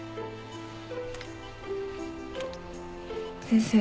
先生。